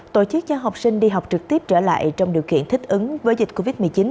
tổ chức cho học sinh đi học trực tiếp trở lại trong điều kiện thích ứng với dịch covid một mươi chín